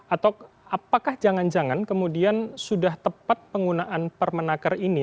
atau apakah jangan jangan kemudian sudah tepat penggunaan permenaker ini